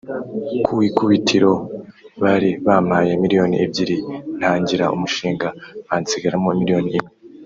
ku ikubitiro bari bampaye miliyoni ebyiri ntangira umushinga bansigaramo miliyoni imwe